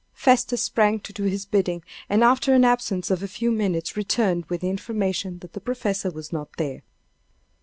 Festus sprang to do his bidding, and after an absence of a few minutes returned with the information that the professor was not there.